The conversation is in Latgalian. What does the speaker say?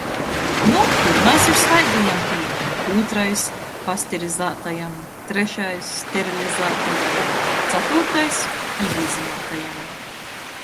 Nu, pyrmais ir svaigajam pīnam, ūtrais - pasterizeitajam, trešais - sterilizeitajam, caturtais - ībīzynuotajam...